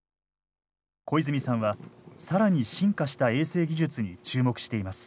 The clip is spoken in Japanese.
小泉さんは更に進化した衛星技術に注目しています。